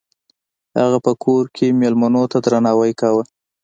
هغه په کور کې میلمنو ته درناوی کاوه.